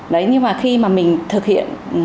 đấy nhưng mà khi mà mình thực hiện